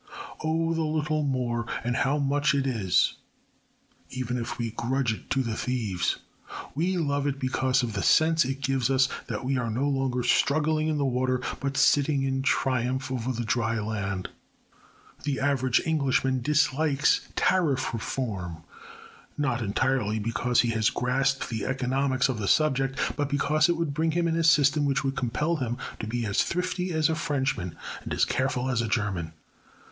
"Oh, the little more, and how much it is!" Even if we grudge it to the thieves, we love it because of the sense it gives us that we are no longer struggling in the water but sitting in triumph on the dry land. The average Englishman dislikes Tariff Reform, not entirely because he has grasped the economics of the subject, but because it would bring in a system which would compel him to be as thrifty as a Frenchman and as careful as a German.